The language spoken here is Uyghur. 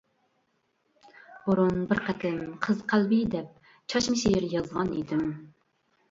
بۇرۇن بىر قېتىم «قىز قەلبى» دەپ، چاچما شېئىر يازغان ئىدىم.